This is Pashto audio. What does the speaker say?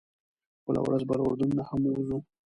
بله ورځ به له اردن نه هم ووځو.